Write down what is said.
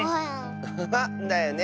アハハだよね。